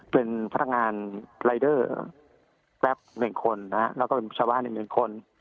เป็นพัฒนางานรายเดอร์แปป๑คนและก็เป็นผู้ชาวะ๑คน